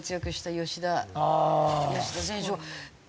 吉田選手。